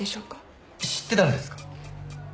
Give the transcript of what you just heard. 知ってたんですか？